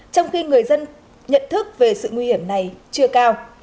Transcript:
trong khi người dân nhận thức về sự nguy hiểm này chưa cao